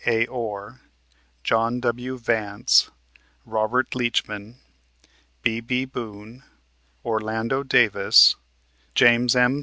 A. Orr, John W. Vance, Robert Leachman, B.B. Boone, Orlando Davis, James M.